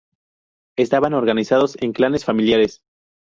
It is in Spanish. Estaban organizados en clanes familiares.